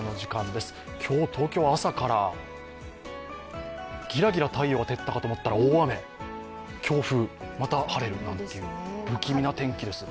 今日、東京は朝からギラギラ太陽が照ったかと思ったら大雨、強風、また晴れるなんて不気味な天気です。